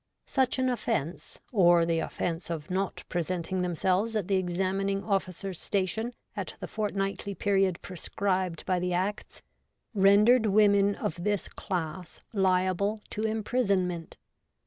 Such an offence, or the offence of not pre senting themselves at the examining officer's station at the fortnightly period prescribed by the Acts, rendered women of this class liable to imprisonment.